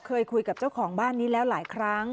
เคยคุยกับเจ้าของบ้านนี้แล้วหลายครั้ง